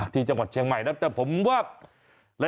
ที่จังหวัดเชียงใหม่นะแต่ผมว่า